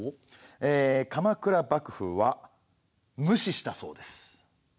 ええ鎌倉幕府は無視したそうです。